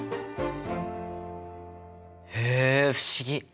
へえ不思議！